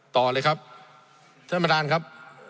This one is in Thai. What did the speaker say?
ต่อเลยครับท่านประธานครับ